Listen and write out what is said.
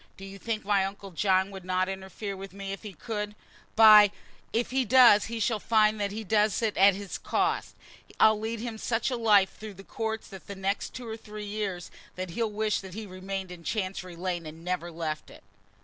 Do you think my uncle John would not interfere with me if he could? By ! if he does, he shall find that he does it to his cost. I'll lead him such a life through the courts, for the next two or three years, that he'll wish that he had remained in Chancery Lane, and had never left it."